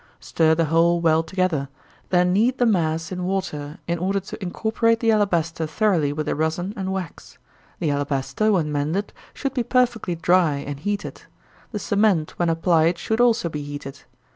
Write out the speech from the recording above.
Stir the whole well together, then knead the mass in water, in order to incorporate the alabaster thoroughly with the rosin and wax. The alabaster, when mended, should be perfectly dry, and heated. The cement, when applied, should also be heated.